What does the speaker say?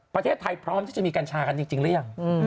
ประเทศไทยพร้อมที่จะมีกัญชากันจริงหรือยัง